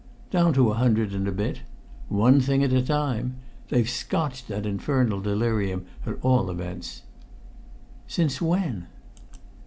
"Down to a hundred and a bit. One thing at a time. They've scotched that infernal delirium, at all events." "Since when?"